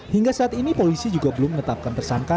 hingga saat ini polisi juga belum menetapkan tersangka